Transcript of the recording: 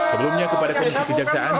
sebelumnya kepada komisi kejaksaan